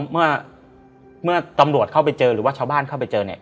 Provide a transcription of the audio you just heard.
เมื่อป้านชาวบ้านเข้าไปเสวเต่า